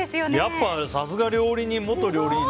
やっぱ、さすが元料理人。